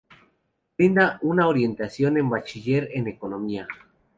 Brinda una orientación en Bachiller en economía.